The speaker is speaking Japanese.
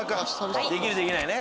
「できる」「できない」ね。